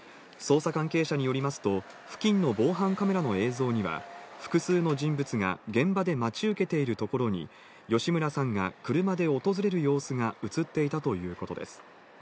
捜査関係者によりますと、付近の防犯カメラの映像には複数の人物が現場で待ち受けているところに吉村さんが車で訪れる様子が映っていたということです。